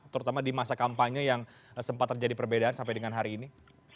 terutama di masa kampanye yang sempat terjadi perbedaan sampai dengan hari ini